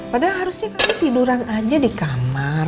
padahal harusnya kami tiduran aja di kamar